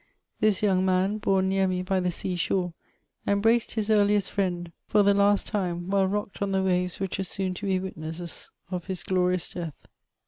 This young man, bom near me by the sea diore, embraced his eariieit friend for the last time while rocked on the waves which were soon to be witnesses of his gbrious death.